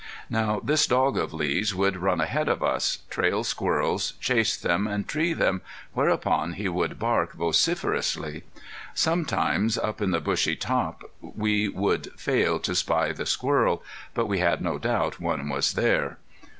Now this dog of Lee's would run ahead of us, trail squirrels, chase them, and tree them, whereupon he would bark vociferously. Sometimes up in the bushy top we would fail to spy the squirrel, but we had no doubt one was there.